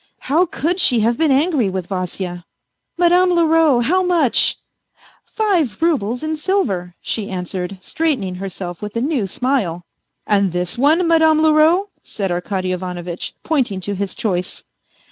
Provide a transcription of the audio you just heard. How could she have been angry with Vasya ?" Madame Leroux, how much ?"" Five roubles in silver," she answered, straightening herself with a new smile. " And this one, Madame Leroux ?" said Arkady Ivanovitch, pointing to his choice.